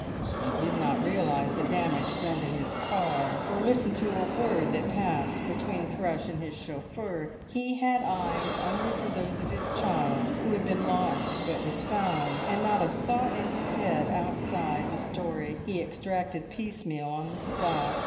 He did not realise the damage done to his car, or listen to a word that passed between Thrush and his chauffeur; he had eyes only for those of his child who had been lost but was found, and not a thought in his head outside the story he extracted piecemeal on the spot.